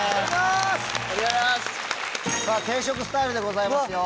定食スタイルでございますよ。